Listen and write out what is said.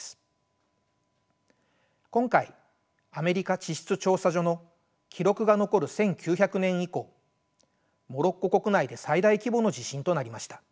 今回アメリカ地質調査所の記録が残る１９００年以降モロッコ国内で最大規模の地震となりました。